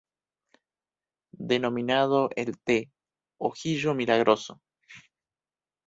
Denominado el "t´ojlito milagroso".